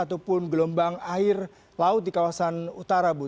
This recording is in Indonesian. ataupun gelombang air laut di kawasan utara bu